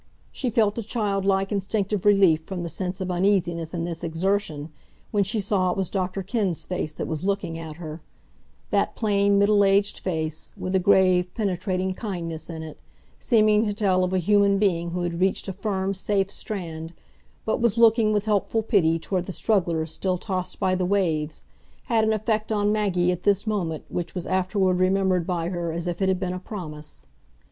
She felt a childlike, instinctive relief from the sense of uneasiness in this exertion, when she saw it was Dr Kenn's face that was looking at her; that plain, middle aged face, with a grave, penetrating kindness in it, seeming to tell of a human being who had reached a firm, safe strand, but was looking with helpful pity toward the strugglers still tossed by the waves, had an effect on Maggie at this moment which was afterward remembered by her as if it had been a promise.